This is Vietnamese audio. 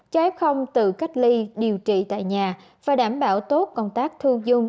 cho f tự cách ly điều trị tại nhà và đảm bảo tốt công tác thương dung